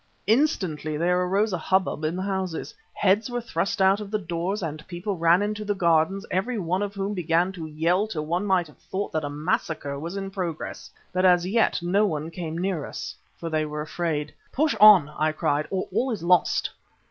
Instantly there arose a hubbub in the houses. Heads were thrust out of the doors and people ran into the gardens, every one of whom began to yell till one might have thought that a massacre was in progress. But as yet no one came near us, for they were afraid. "Push on," I cried, "or all is lost."